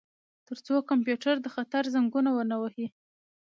ترڅو کمپیوټر د خطر زنګونه ونه وهي